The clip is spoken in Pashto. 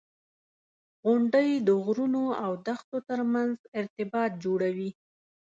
• غونډۍ د غرونو او دښتو ترمنځ ارتباط جوړوي.